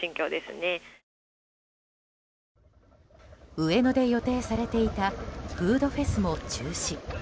上野で予定されていたフードフェスも中止。